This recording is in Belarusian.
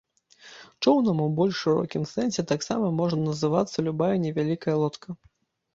Чоўнам у больш шырокім сэнсе таксама можа называцца любая невялікія лодка.